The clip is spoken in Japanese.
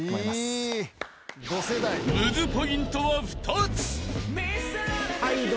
［ムズポイントは２つ］